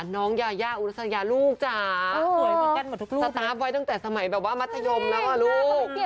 น้องยายาอุรัสยาลูกจ๋าสตาร์ฟไว้ตั้งแต่สมัยแบบว่ามัธยมแล้วอ่ะลูก